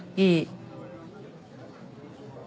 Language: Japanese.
いい。